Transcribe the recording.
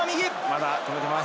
まだ止めています。